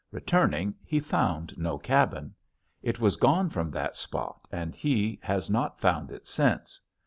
Returning, he found no cabin. It was gone from that spot and he has not found it since.